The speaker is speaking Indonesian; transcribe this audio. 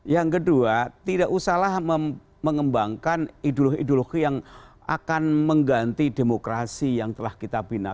yang kedua tidak usahlah mengembangkan ideologi ideologi yang akan mengganti demokrasi yang telah kita bina